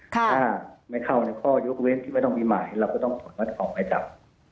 ถ้าไม่เข้าในข้อยกเว้นที่ไม่ต้องมีหมายเราก็ต้องกดว่าจะออกหมายจับ